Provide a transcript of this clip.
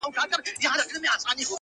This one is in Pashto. خلک يو بل ملامتوي ډېر سخت-